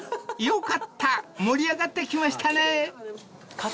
［よかった盛り上がってきましたね］